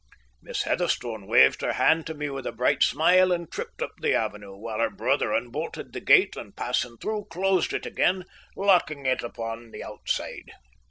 Miss Heatherstone waved her hand to me with a bright smile, and tripped up the avenue, while her brother unbolted the gate, and, passing through, closed it again, locking it upon the outside.